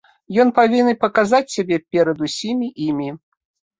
Ён павінен паказаць сябе перад усімі імі.